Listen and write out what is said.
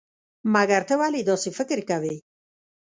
مګر ته ولې داسې فکر کوئ؟